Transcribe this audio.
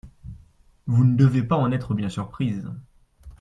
Vous ne devez pas en être bien surprise.